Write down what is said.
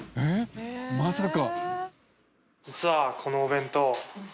まさか。